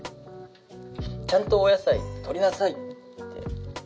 「ちゃんとお野菜とりなさいって怒られちゃって」